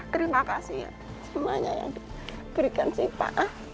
terima kasih semuanya yang diberikan siva